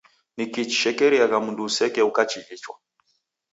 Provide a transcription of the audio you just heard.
Nikii chishekeriagha mndu useke ukachighichwa?